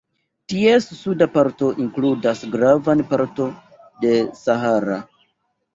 Ties suda parto inkludas gravan parton de Sahara.